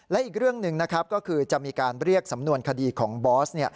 และอีกเรื่องหนึ่งนะครับก็คือจะมีการเรียกสำนวนคดีของบอส